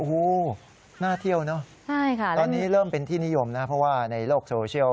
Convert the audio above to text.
โอ้โหน่าเที่ยวเนอะตอนนี้เริ่มเป็นที่นิยมนะเพราะว่าในโลกโซเชียล